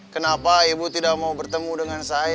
kenapa ibu tidak mau bertemu dengan saya